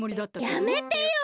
やめてよ！